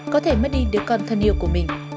có thể mất đi đứa con thân yêu của mình